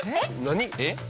何えっ？